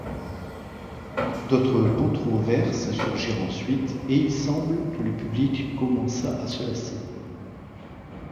D'autres controverses surgirent ensuite et il semble que le public commença à se lasser.